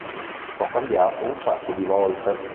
Ho cambiato un sacco di volte.